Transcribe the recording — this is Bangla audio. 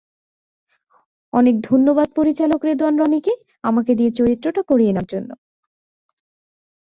অনেক ধন্যবাদ পরিচালক রেদওয়ান রনিকে আমাকে দিয়ে চরিত্রটা করিয়ে নেওয়ার জন্য।